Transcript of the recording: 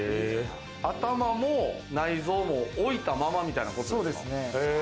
頭も内臓も置いたままみたいな。